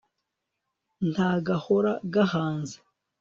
nta gahora gahanze